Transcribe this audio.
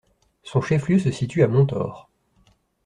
Son chef-lieu se situe à Montaure.